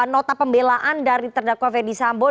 nota pembelaan dari terdakwa fedi sambunga